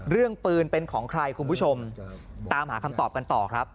เรื่องปืนเป็นของใครคุณผู้ชมตามหาคำตอบกันต่อครับ